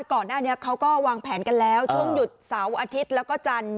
ก่อนหน้านี้เขาก็วางแผนกันแล้วช่วงหยุดเสาร์อาทิตย์แล้วก็จันทร์